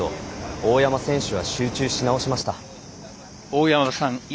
大山選手は集中し直しました。